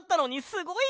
すごい！